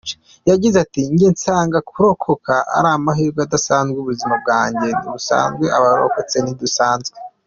Yagize ati “Njye nsanga kurokoka ari amahirwe adasanzwe, ubuzima bwanjye ntibusanzwe, abarokotse ntidusanzwe.